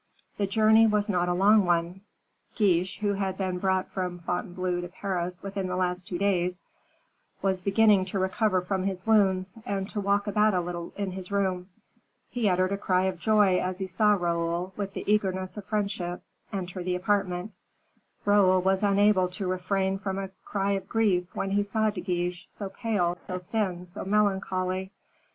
The journey was not a long one. Guiche, who had been brought from Fontainebleau to Paris within the last two days, was beginning to recover from his wounds, and to walk about a little in his room. He uttered a cry of joy as he saw Raoul, with the eagerness of friendship, enter the apartment. Raoul was unable to refrain from a cry of grief, when he saw De Guiche, so pale, so thin, so melancholy.